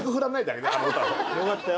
よかったよ